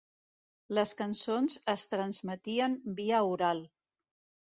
Les cançons es transmetien via oral.